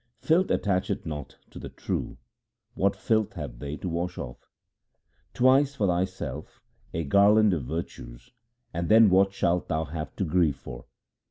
Filth attacheth not to the true ; what filth have they to wash off ? Twine for thyself a garland of virtues, and then what shalt thou have to grieve for